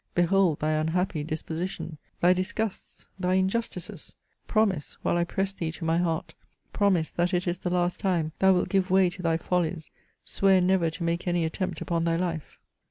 Behold thy unhappy disposition, thy disgusts, thy injustices! Promise, while 1 ^ press thee to my heart, promise that it is the last time thou wilt give way to thy follies, swear never to make any attempt upon thy life